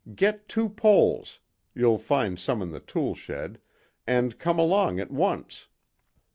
Get two poles you'll find some in the tool shed and come along at once."